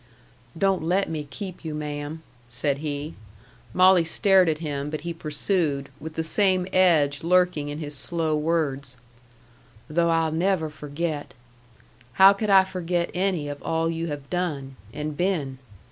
"Don't let me keep you, ma'am," said he. Molly stared at him; but he pursued, with the same edge lurking in his slow words: "Though I'll never forget. How could I forget any of all you have done and been?